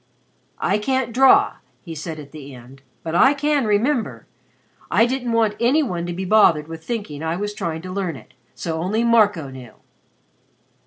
"I can't draw," he said at the end. "But I can remember. I didn't want any one to be bothered with thinking I was trying to learn it. So only Marco knew."